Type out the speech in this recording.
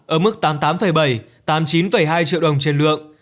ở mức tám mươi tám bảy tám mươi chín hai triệu đồng trên lượng